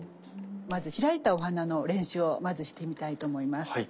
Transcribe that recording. まず開いたお花の練習をしてみたいと思います。